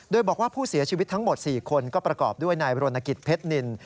โดยบอกว่าผู้เสียชีวิตทั้งหมด๔คนก็ประกอบด้วยนายบรณกิจเพชรนิน